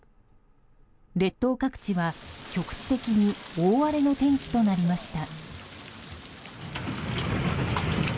列島各地は局地的に大荒れの天気となりました。